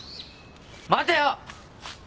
待てよ！